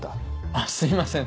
あっすいません